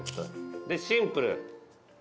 でシンプル。